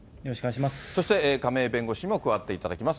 そして亀井弁護士にも加わっていただきます。